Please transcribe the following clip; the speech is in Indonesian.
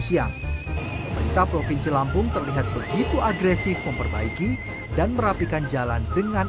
siang pemerintah provinsi lampung terlihat begitu agresif memperbaiki dan merapikan jalan dengan